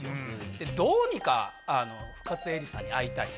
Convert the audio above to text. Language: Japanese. でどうにか深津絵里さんに会いたい。